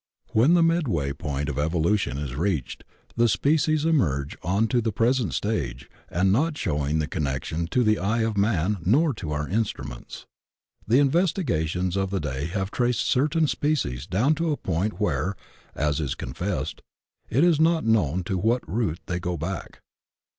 When the midway point of evolution is reached the species emerge on to the present stage and not showing the connection to the eye of man nor to our instruments. The investigations of the day have traced certain species down to a point where, as is confessed, it is not known to what root they go back.